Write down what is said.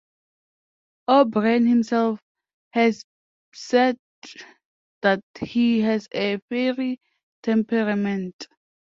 O'Brien himself has said that he has a fiery temperament.